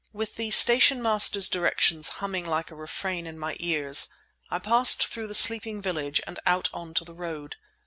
With the station master's directions humming like a refrain in my ears, I passed through the sleeping village and out on to the road.